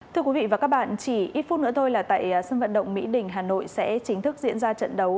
thưa quý vị và các bạn chỉ ít phút nữa thôi là tại sân vận động mỹ đình hà nội sẽ chính thức diễn ra trận đấu